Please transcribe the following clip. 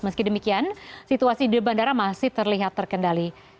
meski demikian situasi di bandara masih terlihat terkendali